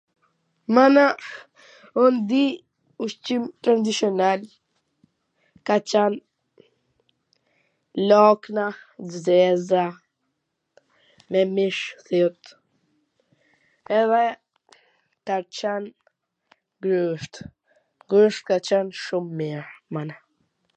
Mana, un di ushqim tradishonal ka qan lakna t zeza me mish thiut edhe ka qan groosht, groosht ka qan shum mir, mana.